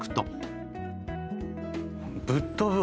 ぶっ飛ぶわ。